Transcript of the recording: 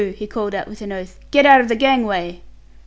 he called with an oath, "get out of the gangway!"